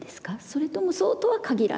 それともそうとは限らない。